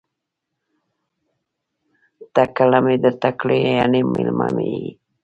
ټکله می درته کړې ،یعنی میلمه می يی